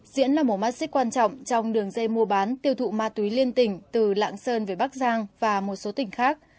diễn là một mắt xích quan trọng trong đường dây mua bán tiêu thụ ma túy liên tỉnh từ lạng sơn về bắc giang và một số tỉnh khác